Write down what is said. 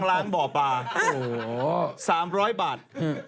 ล้านบ่อปลา๓๐๐บาท